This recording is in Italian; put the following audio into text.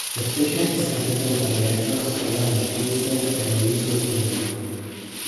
La specie è stata rinvenuta nella regione australiana del Queensland e nelle isole Salomone.